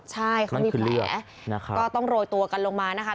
ใช่เขามีแผลนะคะก็ต้องโรยตัวกันลงมานะคะ